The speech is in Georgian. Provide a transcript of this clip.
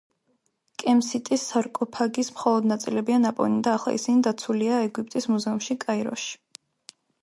კემსიტის სარკოფაგის მხოლოდ ნაწილებია ნაპოვნი და ახლა ისინი დაცულია ეგვიპტის მუზეუმში, კაიროში.